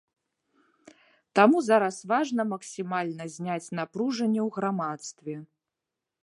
Таму зараз важна максімальна зняць напружанне ў грамадстве.